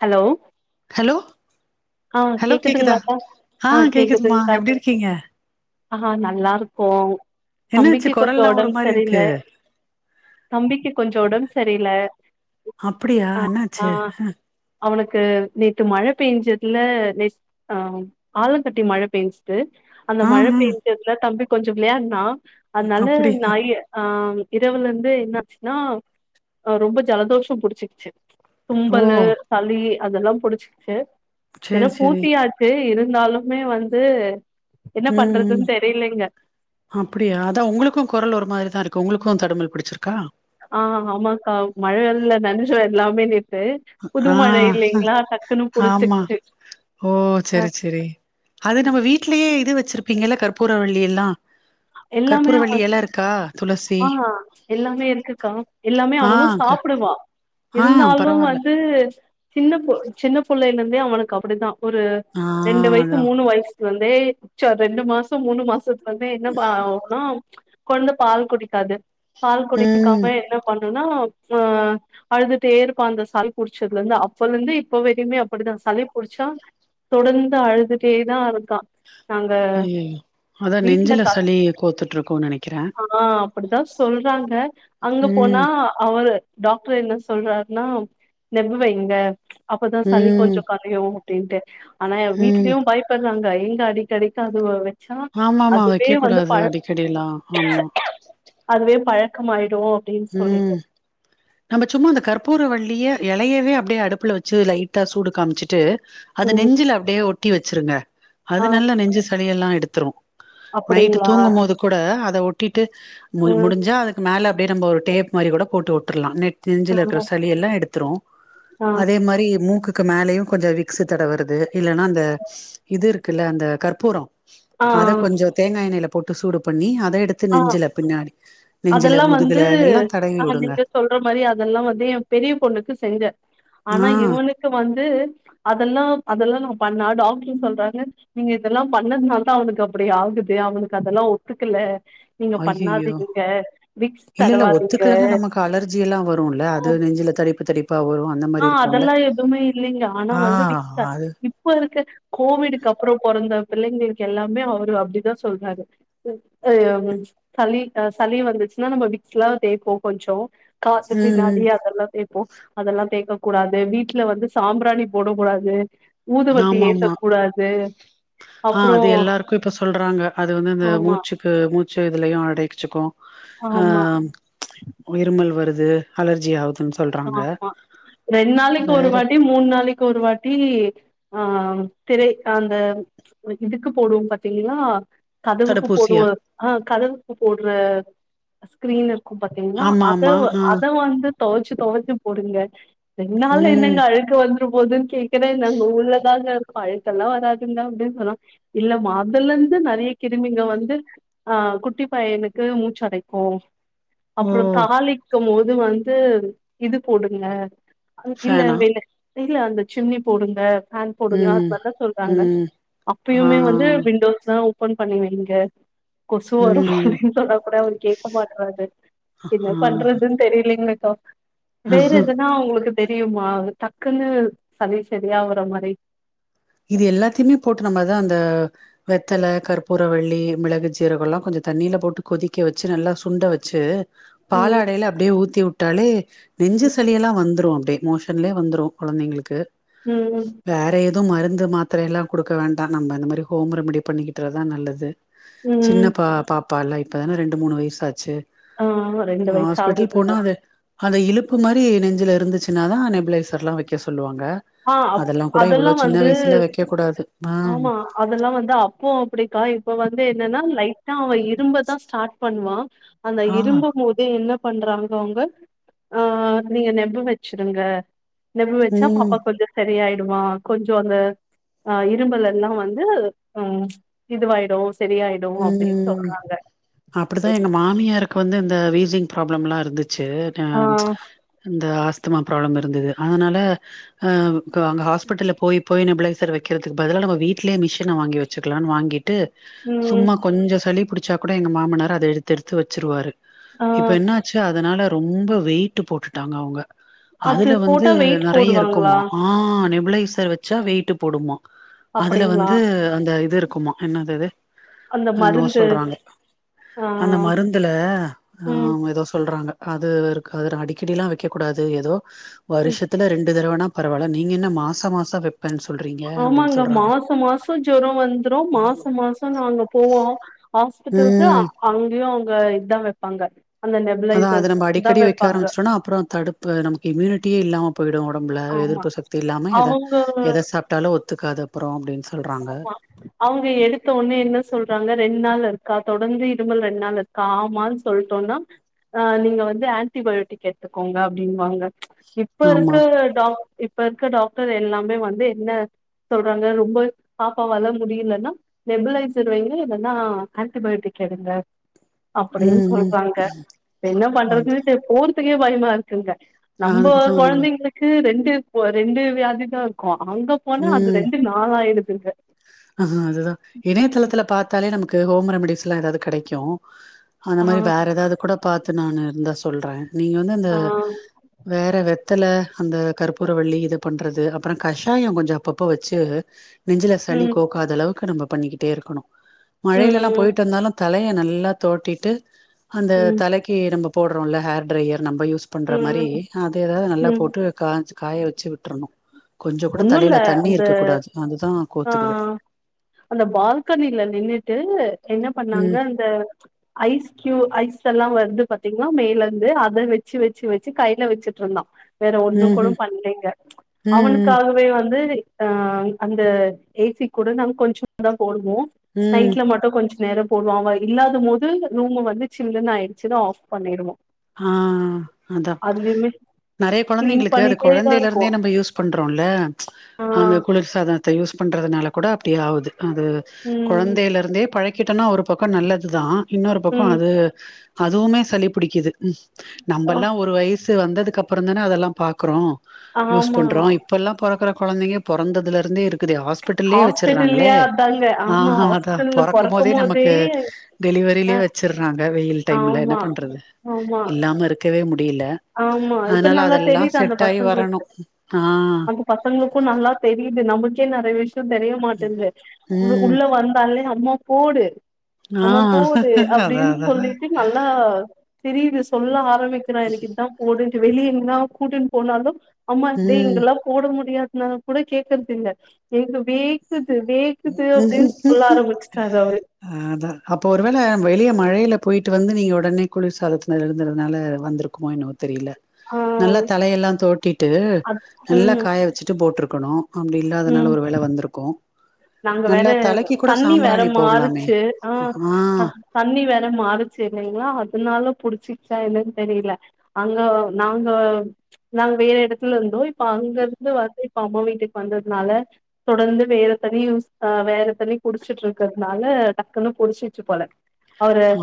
Hello hello ஆ hello கேக்குதா கேக்குதுங்களாக்கா ஆ கேக்குதுமா எப்டி இருக்கீங்க ஆஹ் நல்லா இருக்கோம் என்னாச்சு குரல் எல்லாம் ஒரு மாரி இருக்கு தம்பிக்கு கொஞ்சோம் ஒடம்பு சரியில அப்டியா என்னாச்சு அ அவனுக்கு நேத்து மழ பெஞ்சதுல நே ஆ ஆலங்கட்டி மழ பெஞ்சுச்சு து அந்த ஆ மழ பெயஞ்சதுல தம் கொஞ்சம் விளையாடனா அதனால நாய்ய அஹ் இரவுல இருந்து என்ன ஆச்சுன்னா அ ரொம்ப ஜலதோஷம் புடிச்சிக்குச்சு ஓ கும்பலு இ அதெல்லாம் புடிச்சுகிட்டு சேரி சேரி சிறப்பூட்டியாச்சு இருந் இருந்தாலுமே வந்து என்ன உம் உம் பண்றதுன்னு தெரியலைங்க அப்படியா அதான் உங்களுக்கும் குரல் ஒரு மாதிரிதான் இருக் கு உங்களுக்கும் தடமல் பிடிச்சிருக்கா ஆஹ் ஆமாக்கா மழையல்ல நானஞ்சே எல்லாமே ந ஆஹ் ஆமா புடிச்சிருச்சு ஓ அ சரி சரி அது நம்ம வீடலயே இது வச் வச்சுஇருப்பீங்கல்ல கற்பூரவள்ளி எல்லாம் எல்லாமே அவ துளசி ஆஹ் எல்லாமே இருக்குக்கா எல்லாமே ஆ அவளும் க சாப்பிடுவா ஆ இருந்தாலும் பரவால்ல வந்து சின்ன பு சின்ன பிள்ளை இருந்தே அவளுக்கு அப்படிதான் ஒரு ஆ ரெண்டு வயசு அதா மூணு வயசு வந்தே மிச்ச ரெண்டு மாசம் மூணு மாசத்துல வந்து இப்ப ஆவுனா கொண்டு பால் குடிக்காது பால் ம் குடிக்காம என்ன பண் [unintelligible] னா ஆஹ் அழுதுட்டே இருப்பான் அந்த சளி புடிச்சதுல இருந்து அப்பல இருந்து இப்ப வரையுமே அப்படித்தான் சளி புடிச்சா தொடர்ந்து அழுதுட்டேதான் இருக்கான் அய்யயோ அதான் நெஞ்சுல க சளி நீர் கோத்துட்டு இருக்கூனு நனைக்கிறே அப்படிதான் சொல்றாங்க அங்க போனா அவரு டாக்டர் என்ன சொல்றாருன்னா நம்புவங்க அப்பதான் சளி ம் கொஞ்சம் கலையும் அப்டின்ட்டு ஆனா ம் வீட்லையும் பய்ப்பறாங்க ரங்காடி கடைக்க அது ஒரே ஆமா ஆமா அவக கூடாது அது அடிக்கடிலாம் ஆமா பக்ம் ஆயிடும் உம் நம்ம சும்மா அந்த கற்பூரவள்ளிய எலையவே அப்டியே அடுப்புல வச்சு லைட்டா சூடு காமிச்சிட்டு அது ம் நெஞ்சுல அப்டியே ஒட் ட்டி வச்சுருங்க ஆ அது நல்லா நெஞ்சு ச அதயல்லா எடுத்துரு நைட்டு அப்டிங்களா தூங்கும் போது கூட அத ஒட் ட்டு முடி ம் முடிஞ்சா அதுக்கு மேல [unintelligible] டேப் மாரி கூட போட்டு வுட்றலா நெட் ஆ தெரிஞ்சில இருக்க சளி எல்லா எடுத்துரும் ஆ அதே மாரி மூக்கு க்கு மேலயும் கொஞ்ச விக்ஸு தடவறது இல்லன்னா அந்த இது இருக்குல்ல அந்த கற்பூரோ ஆ அதா கொஞ்சொ தேங்கா எண்ணைய்ல போட்டு சூடு பண்ணி அத் அத எடுத்து ஆ நெஞ்சுல பின்னாடி நெஞ்சுல முதுகுல எல்லா தடவி ஆஹ் விடுங்க நீங்க சொல்ற மாரி அதெல்லாம் வந்து ஏன் பெரிய பொண்ணுக்கு செஞ்ச ஆனா ஆ இவனுக்கு வந்து அதெல்லா அதெல்லா நா பண்ணா டாக்டர் சொல்றாங்க நீங்க இதெல்லா பண்ணதுனாலதா அவனுக்கு அப்டி ஆகுது அவனுக்கு அதெல்லா ஒத்துக்கல நீங்க ஐயயோ பண்ணாதீங்க விக்ஸ் இல்ல இல்ல தடவாதீங்க ஒத்துக்கலன்னா நமக்கு அலர்ஜி எல்லா வருல்ல அது நெஞ்சில தடிப்பு தடிப்பா வரு அந்த மாரி ஆஹ் இருக்குல்ல அதெல்லா எதுவுமே இல்லைங்க ஆனா ஆ வந்து [unintelligible] அது இப்ப இருக்க கோவிடுக்கு அப்றோ பொற அந்த பிள்ளைங்களுக்கு எல்லாமே அவரு அப்டிதா சொல்றாரு அ ஆ [unintelligible] சளி ஆ சளி வந்துச்சுன்னா நம்ம விக்ஸ்லா தேய்ப்போ கொஞ்சோ காது ம் பின்னாடி ம் அதெல்லா சேத் ப்போ அதெல்லா தேய்ப் க்கக் கூடாது வீட்ல வந்து சாம்பிராணி போடக் கூடாது ஊதுவத்தி ஆமா ஆமா ஏத்தக் கூடாது ஆஹ் அப்புறோ அது எல்லாருக்கு இப்ப சொல்றாங்க அது வந்து இந்த ஆமா மூச்சுக்கு மூச்சு இதுலயு அடைச்சுக்கு ஆமா ஆஹ் இருமல் வருது து அலர்ஜி ஆவுது ஆமா ரெண்டு நாளைக்கு ஒரு வேற வாட்டி மூணு நாளைக்கு ஒரு வாட்டி ஆஹ் திரை அந்த இதுக்கு போடுவோ பாத்தீங்களா கதவுக்கு தடுப்பூசியா போடுவோ ஆஹ் கதவுக்கு போடுற ஸ்கிரீனு க்கு பாத்தீங்கன்னா ஆமா அத ஆமா ஆ அத வந்து தொ தொவச்சி போடுங்க என்னால ம் என்னங்க அழுக்கு வந்துரு போதுன்னு கேக்குறேன் நாங்க உள்ளதாக பைக்கிலஎல்லாம் வராதிங்க அப்டின்னு சொன்னா இல்ல அதுல இருந்து நெறய கிருமிங்க வந்து ஆ குட்டி பையனுக்கு மூச்சடைக்கும் ஓ அப்புறம் தாலிக்கும் போது அது வந்து இது போடுங்க இல்ல ஃபேனா [unintelligible] [unintelligible] அந்த சிம்னி போடுங்க [unintelligible] போடுங்க அத மாரி தான் ம் வந்து சொல்றாங்க ம் ஆ அப்பயுமே வந்து விண்டோஸ் தான் போன் பண்ணுவீங்க கொசு வரும் ம் அப்படின்னு சொன்னா கூட அவர் கேட்க மாட்டறாரு என்ன ஆ பண்றதுன்னு தெரிலைங்லே த வேற எதுனா உங்களுக்கு தெரியுமா டக்குன்னு சளி சளியா வற மாரி இது எல்லாத்தையுமே போட்டு நம்மதான் அந்த வெத்தல கற்பூரவள்ளி மிளகு ஜீரகம் எல்லாம் கொஞ்சம் தண்ணியில போட்டு கொதிக்க வச்சு நல்லா சுண்ட வச்சு ம் பாலாடையில அப்டியே ஊத்தி விட்டு டாலே நெஞ்சு சளியெல்லாம் வந்துரும் [unintelligible] மோஷன்லே வந்துரும் குழந்தைங்களுக்கு உம் மருந்து மாத்திர எல்லாம் குடுக்க வேண்டாம் நம்ம இந்த மாரி ஹோம் ரெமிடி பண்ணிக்கிறதான் நல்லது சின்ன ம் பா பாப்ப பால இப்ப தான ரெண்டு மூணு வயசாச்சு ஆஹ் ரெண்டு வய்சு ஆகுதுங்க அத இலுப்பு மாரி நெஞ்சில இருந்துச்சுன்னா தான் நெபுலைசர் எலாம் வக்க சொல்லுவாங்க ஆஹ் அதெல்லா கூட இவ்ளோ அதெலாம் வந் சின்ன வயசுல [unintelligible] வைக்க கூடாது ஆ ஆமா அதெல்லாம் வந்து அப்போ அப்படிக்கா இப்ப வந் வந்து என்னன்னா லைட்டா அவன் இரும்பதான் ஸ்டார்ட் பண்ணுவான் அந்த ஆ இரும்பும் போதே என்ன பண்றாங்க அவங்க ஆஹ் நீங்க நெபு வச்சுருங்க இத வச்ச ம் பாப் சரியாயிடுமா கொஞ்சம் அந்த ஆ இரும்பலல்லாம் வந்து ஆ இதுவாயிடும் உம் அப்படித்தான் எங்க மாமியாருக் ப்ப வந்து இந்த வீசிங் பிராப்ளம்லா இருந்து சேரி ஆ இந்த ஆஸ்துமா ப்ராப்ளம் இருந்தது அதனால ஆ அங்க ஹாஸ்பிட்டல போய் போய் நெப்ளைசர் வெக்கிறதுக்கு பதிலா நம்ம வீட்லயே மிஷின வாங்கி வெச்சிக்கிலானு வாங்கிட்டு ம் சும்மா கொஞ்ச சளி புடிச் புடிச்சா கூட எங்க மாமனாரு அத எடுத்து எடுத்து வெச்சிருவாரு ஆ இப்ப என்ன ஆச்சு அதனால ரொம்ப வெயிட்டு போட்டுட்டாங்க அவுங் அது அதுல வந்து போட்டா வெயிட் நெறைய போடுவாங்களா? இருக்குமா ஆஹ் நெப்ளைஸ் நெப்ளைசர் வெச்சா வெயிட்டு போடுமா அதுல அப்டிங்களா? வந்து அந்த இது இருக் இருக்குமா என்னது அது அந்த என்னவோ மருந்து சொல்றாங்க ஆ அந்த மருந்துல ம் ஆஹ் எதோ சொல்றாங்க அது இருக்கு அத அடிக்கடிலா வெக்கக் கூடாது ஏதோ ம் வருஷத்துல ரெண்டு தடவனா பரவால நீங்க என்ன மாச மாச வைப்பேன்னு சொல்றீங்க அப்டின்னு ஆமாங்க சொல்றாங்க மாசோ மாசோ ஜொரோ வந்துரு மாசோ மாசோ து நா அங்க போவோம் ஹாஸ்பிட்டலுக்கு ம் அங்கயும் இத இதான் வெப்பாங்க அதா அத நம்ப அடிக்கடி வெக்க ஆரம்பிச்சோனா அப்புறோ தடுப்பு நமக்கு இம்யூனிட்டியே இல்லாம போயிடும் ஒடம்புல ஆமா. எதிர்ப்பு சக்தி இல்லாம எத அவங்க எத சாப்ட்டாலு ஒத்துக்காத அப்றோ அப்டின்னு சொல்றாங்க ஆமா அவங்க எடுத்த ஒன்னே என்ன சொல்றாங்க ரெண்டு நாள் இருக்கா தொடர்ந்து இருமல் ரெண்டு நாள் இருக்கா ஆமான்னு சொல்ட்டோனா ஆ நீங்க வந்து ஆன்டிபயோட்டிக் எடுத்துக்கோங்க அப்படின்னுவாங்க இப்ப ஆமா இருக்கற இப்ப இருக்க டாக்டர் எல்லாமே வந்து என்ன சொல்றாங்க ரொம்ப பாப்பாவால முடியலன்னா நெப்ளைஸர் வைங்க இல்லைன்னா ஆன்டிபயோட்டிக் எடுங்க அப்படின்னு ம் ம் சொல்றாங்க என்ன அதா பண்றது போர் பயமா இருக்குங்க நம்ப அதுக்குதா நம்ம கொழந்தைங்க ரெண்டு ரெண்டு வியாதி தான் இருக்குமா அங்க போனா அது ரெண்டு நாள் ஆயிடுதுங்க ஆ அது தா இணையதளத்துல பாத்தாலே நமக் ஹோம் ரெமடிஸ் எல்லா எதாது கெடைக்கும் அந்த ஆ மாரி வேற எதாது கூட பாத்து நானு இருந்தா சொல்றே நீங்க வந்து இந்த ஆ வேற வெ இத்துல அந்த கற்பூர வள்ளி இது பண்றது அப்புறம் கஷாயம் கொஞ்சம் அப்பப்போ வச்சு நெஞ்சில ம் சளி கோக்காத அளவுக்கு நம்ப பண்ணிக்கிட்டே இருக்கணும் மழையில எல்லாம் ம் போயிட்டு வந்தாலும் தலைய நல்லா தொவட்டிட்டு அந்த ம் தலைக்கு நம்ப போட்றோம் ல ஹேர் ட்ரையர் நம்ம யூஸ் பண்ற மாரி ம் அது ஏதாவது நல்லா ம் போட்டு காஞ் காய வச்சு விட்டுரணும் கொஞ்சம் கூட தலையில தண்ணி இருக்க கூடாது அதுதான் ஆஹ் அந்த பால்கனில நின்னுட்டு என்ன பண்ணாங்க ம் அந்த ஐஸ் க்யூ ஐஸ் தெல்லாம் வருது பாத்தீங்கன்னா மேல இருந்து அத வச்சு வச்சு வச்சு கையில வச்சிட்டு இருந்தான் வேற ஒண்ணு ம் கூட ம் பண்லேங்க அவனுக் ம் ம் க்காகவே வந்து ஆஹ் அந்த ஏசி கூட நம் கொஞ்ச தான் போடுவோம் மோ ம் நைட்ல மட்டும் கொஞ்ச நேரம் போடுவான் அவ இல்லாத போது ரூம் வந்து சில்லுன்னு ஆயிச்சுதா ஆஃப் பண்ணிடுவோம் ஆஹ் அதான் நெறைய கிளீன் குழந்தைங்களுக்கு அது பண்ணிட்டேதா குழந்தையில இருக்கோ இருந்தே நம்ம யூஸ் பண்றோம் ரோம்ல ப்ச்ச ஆ அந்த குளிர் சாதனத்த யூஸ் பண்றதுனால கூட அப்படி ஆவுது அது ம் கொழந்தையில இருந்தே பழக் கிட்டேனா ஒரு பக்கம் நல்லது தான் இன்னொரு பக்கம் ம் அது அதுவுமே சளி பிடிக்குது ம் ஆ, நம்மல்லாம் ஒரு வயசு வந்ததுக் கப்புறம் தானே அதெல்லாம் பாக்குறோம் யூஸ் ஆமா பண்றோம் இப்ப எல்லாம் பொறக்கற கொழந்தைங்க பொறந்ததுல இருந்தே இருக் க்குது ஹாஸ்பிடல்லே வச்சறாங்களே ஹாஸ்பிட்டல்லயே அதாங்க ஆமா ஆஹா அதான் ஹாஸ்பிட்டல்ல பொறக்கும் போதே நமக்கு அ டெலிவரியிலயே வச்சறாங்க வெயில் டைம்ல என்ன ஆமா பண்றது ஆமா இல்லாம இருக்க [unintelligible] டியல ஆமா இப்ப அதனால நல்லா அதெல்லா செட்டாயி வரணு ஆஹ் அது பசங்களுக்கு நல்லா தெரியுது நமக்கே நெறைய விஷ் அதா தெரிய மாட்டேன்து உ ம் உள்ள வந்தாலே அம்மா போடு ஆ ஆமா போகுது அதா அப்டின்னு அதா சொல்லிட்டு நல்லா தெரியுது சொல்ல வார்த் காமிக்கிறா எனக்கு இதா போடுன் வெளிய எங்கனா கூட்டுன்னு போனாலு அம்மா டி ம் போட முடியாதுனா கூட கேக்குறது இல்ல இங்க வேக்குது வேக்குது அப்டின்னு சொல்ல ஆரம்பிச்சுட்டாரு அவரு ஆஹ் அதான் அப்ப ஒருவேள வெளிய மழைல போயிட் ட்டு வந்து நீங்க உடனே குளிர்சாதனத்துல இருந்தர்றதுனால வந்திருக்குமோ என்னவோ தெரியல ஆ நல்லா தலையெல்லா தொவட்டிட்டு அத் நல்லா ம் காய வச்சுட்டு போட்ரு ருக்கணு அப்டி இல்லாதனால ம் ஒரு வேள வந்துருக்கு நாங்க வேற தண்ணி வேற போட்லாமே மாறுச்சு ஆஹ் ஆ அ தண்ணி வேற மாறுச்சு இல்லைங்களா அதனால புடிச்சிக்ச்சா என்னன்னு தெரியல அங்க நாங்க நாங்க வேற எடத்துல இருந்தோ இப் ப்ப அங்க இருந்து வந்து அம்மா வீட்டுக்கு வந்ததுனால தொடர்ந்து வேல தண்ணி யூஸ் ஆஹ் வேற தண்ணி குடிச்சிட்டு இருக்கறதுனால டக்குன்னு புடிச்சிக்ச்சு போல அவரு ஆ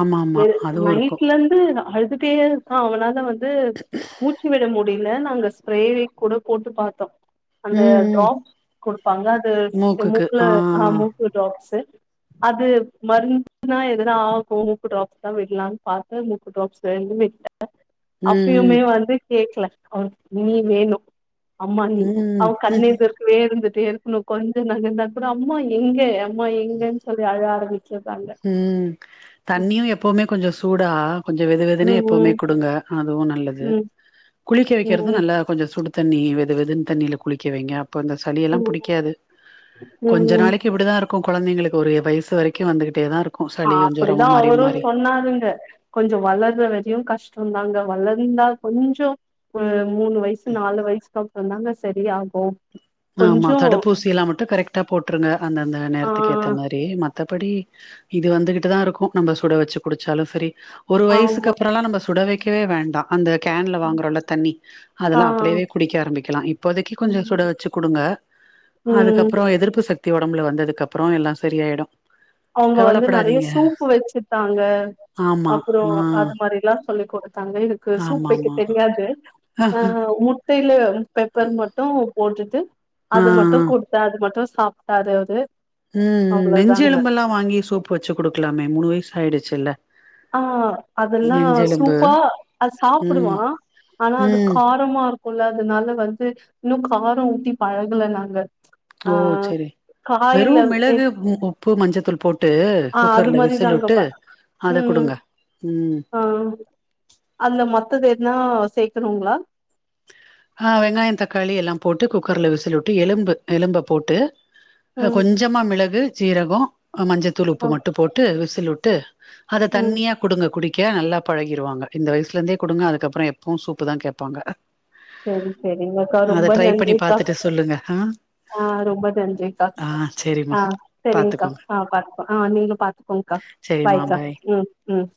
ஆமா இ ஆமா அதுவு இருக்கு நைட்ல இருந்து அழு அழுதுட்டே இருக்கா அவனால வந்து து மூச்சு விட முடிய் இல்ல நாங்க ஸ்பரே கூட போட்டு பாத்தோம் அந்த ம் ம் ட்ராப்ஸ் ப்பாங்க அது மூக்குக்கு மூக்குல ஆ ஆஹ் மூக்கு ட்ராப் [unintelligible] அது மருந்துனா எதுனா ஆகு மூக்கு ட்ராப்ஸ்தா விடலான்னு பாத்த மூக்கு ட்ராப்ஸ் [unintelligible] ம் அப்பயுமே வந்து கேக்கல நீ வேணும் அம்மா நீ ம் அவன் கண் ம் எதிர்கவே இருந் வந்துட்டே இருக்கணும் கொஞ்சம் நகந்தா கூட அம்மா எங்க அம்மா எங்கன்னு சொல்லி அழ ஆரம்மிக்கு உம் தண்ணியும் எப்பவுமே கொஞ்சம் சூடா கொஞ்சம் வெது வெதுனே ம் எப்பவுமே கொடுங்க அதுவும் நல்லது ம் குளிக்க வைக்கிறது ம் நல்லா கொஞ்சம் சுடு தண்ணி வெது வெதுன்னு தண்ணியில குளிக்க வைங்க இப்ப இந்த ம் சளியெல்லாம் ம் புடிக்காது ம் கொஞ்ச ம் நாளைக்கு இப்டிதான் இருக்கும் குழந்தைங்களுக்கு ஒரு வயசு வரைக்கும் வந்துகிட்டு அப்படியே தான் இருக்கு சளியு ஜொரமு அப்படிதான் மாறி அவரும் மாறி சொன்னாருங்க கொஞ்சம் வளற வரையும் கஷ்ட சொன்னாங்க வளந்தா கொஞ்சம் மூணு வயசு நாலுவயசுஅப்பரம்தாங்க சரி ஆகும் ஆமா தடுப்பூசி எல்லாம் மட்டும் கரெக்டா போட்டுருங்க அந்தந்த ஆ நேரத்துக்கு ஏத்த மாதிரி மத் மத்தபடி இது வந்துகிட்டு தான் இருக்கும் நம்ம சுட வச்சு குடிச்சாலும் சரி ஒரு வயசுக்கு ஆமா அப்புறம்ல்லாம் நம்ம சொல் சுடவைைக்கவே வேண்டாம் அந்த கேன்ல வாங்குற உள்ள தண்ணி ஆ அதெல்லாம் அப்படியே குடிக்க ஆரம்மி கலாம் இப் இப்போதைக்கு கொஞ்ச சுட வச்சு கொடுங்க ம் அதுக்கப்புறம் எதிர்ப்பு சக்தி உடம்புல வந்ததுக்கு அப்புறம் எல்லாம் சரியாயிடும் அவங்க வந்து நிறைய சூப்பு வச்சுட்டாங்க ஆமா அப்புறம் ஆ அது மாதிரில்லாம் சொல்லிக்கொடுத் தங்க இருக்கு சூப் ஆமா வைக்க ஆமா தெரியாது ஆஹ் முட்டையில பெப்பர் மட்டும் போட்டுட்டு ஆ அது ஆ மட்டும் குடுத்தா அது மட்டும் சாப்பிட்டாரு அவுரு உஹம் நெஞ்சு எலும்பெல்லாம் வாங்கி சூப் வச்சு குடுக்கலாமே மூணு வயசு ஆயிடுச்சுல்ல ஆஹ் அதெல்லாம் நெஞ்செலும்பு சூப்பா ம் சாப்பிடுவான் ஆனா அது ம் காரமா இருக்கு கொள்ளாதனால வந்து இன்னும் காரம் ஊத்தி பழகல நாங்க ஆ ஓ செரி காய்ல வெறும் மிளகு உப்பு மஞ்சத்தூள் போட்டு ஆஹ் அது குக்கர்ல விசில் விட்டு மாதிரிதாங்கப்ப அத உம் குடுங்க ம் ஆஹ் அது மத்தது என்னா சேர்க்கனுங்களா ஆஹ் வெங்காயம் தக்காளி எல்லாம் போட்டு குக்கர்ல விசில விட்டு எலும்பு எலும்ப போட்டு அ ம் கொஞ்சமா மிளகு சீரகம் மஞ்சத்தூள் ஆ உப்பு மட்டும் போட்டு விசில் விசில்லுட்டு அத ம் தண்ணியா குடுங்க குடிக் நல்லா பழகிடுவாங்க இந்த வயசுல இருந்தே கொடுங்க அதுக்கப்புறம் எப்பவும் சூப்பு தான் கேப்பாங்க சரி செரிங்கக்கா அத ரொம்ப ட்ரை பண்ணி நன்றிக்கா பாத்துட்டு சொல்லுங்க ஆ ஆஹ் ரொம்ப நன்றிக்கா ஆ செரிம்மா ஆஹ் செ ரிங்க்கா பாத்துக்கோங்க ஆஹ் பாத்துக்கோம் ஆஹ் நீங்க பாத்துக்கோங்க்கா பாய் உம் உம்